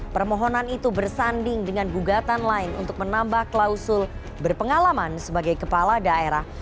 permohonan itu bersanding dengan gugatan lain untuk menambah klausul berpengalaman sebagai kepala daerah